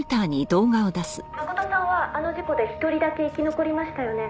「真琴さんはあの事故で１人だけ生き残りましたよね」